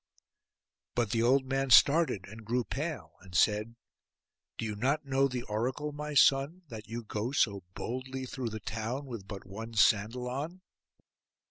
But the old man started, and grew pale, and said, 'Do you not know the oracle, my son, that you go so boldly through the town with but one sandal on?